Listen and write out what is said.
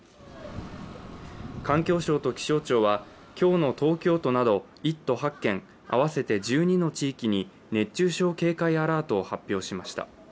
環境省と気象庁は今日の東京都など、１都８県合わせて１２の地域に熱中症警戒アラートを発表しました。